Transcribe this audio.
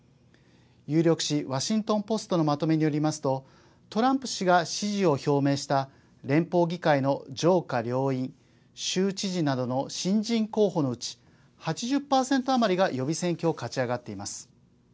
有力紙、ワシントン・ポストのまとめによりますとトランプ氏が支持を表明した連邦議会の上下両院州知事などの新人候補のうち８０％余りが予備選挙を勝ち上がっています。